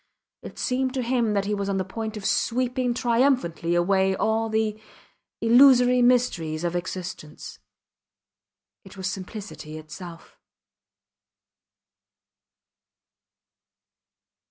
It seemed to him he was on the point of sweeping triumphantly away all the illusory mysteries of existence. It was simplicity itself.